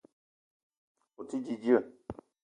O te di dzeu